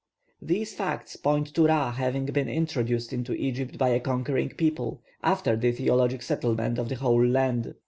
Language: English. These facts point to Ra having been introduced into Egypt by a conquering people, after the theologic settlement of the whole land.